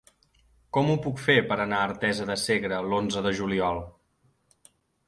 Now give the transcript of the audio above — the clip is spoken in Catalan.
Com ho puc fer per anar a Artesa de Segre l'onze de juliol?